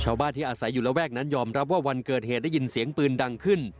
ชาวบ้านที่อาศัยอยู่ระแวกนั้นยอมรับว่าวันเกิดเหตุได้ยินเสียงปืนดังขึ้น